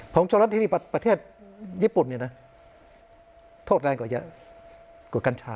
พงศรศที่ประเทศญี่ปุ่นโทษแรงกว่ากัญชา